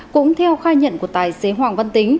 cũng theo khai nhận của tài xế hoàng văn tính